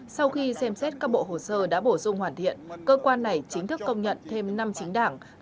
sau khi xem xét các bộ hồ sơ đã bổ sung hoàn thiện cơ quan này chính thức công nhận thêm năm chính đảng